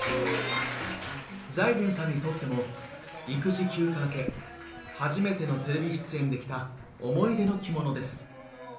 財前さんにとっても育児休暇明け初めてのテレビ出演で着た思い出の着物です。